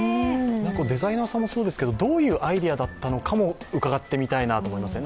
デザイナーさんもそうですけど、どういうアイデアだったのかもうかがってみたいですね。